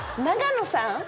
永野さん。